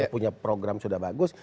punya program sudah bagus